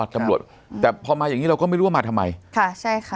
ตำรวจแต่พอมาอย่างงี้เราก็ไม่รู้ว่ามาทำไมค่ะใช่ค่ะ